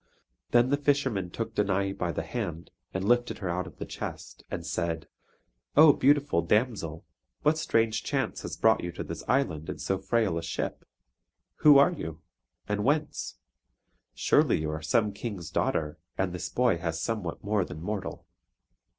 Then the fisherman took Danae by the hand, and lifted her out of the chest, and said: "O beautiful damsel, what strange chance has brought you to this island in so frail a ship? Who are you, and whence? Surely you are some King's daughter and this boy has somewhat more than mortal."